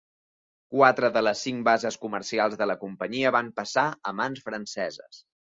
Quatre de les cinc bases comercials de la companyia van passar a mans franceses.